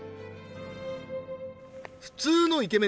普通のイケメン